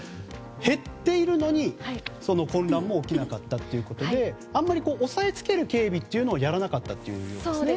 減っているのに混乱も起きなかったということであまり押さえつける警備というのをやらなかったんですね。